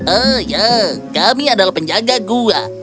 oh ya kami adalah penjaga gua